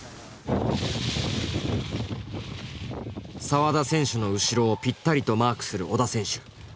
沢田選手の後ろをぴったりとマークする織田選手。